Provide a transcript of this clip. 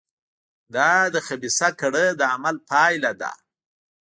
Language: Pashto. دا د خبیثه کړۍ د عمل پایله ده.